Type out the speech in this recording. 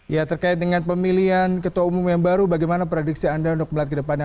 ya terkait dengan pemilihan ketua umum yang baru bagaimana prediksi anda untuk melihat ke depannya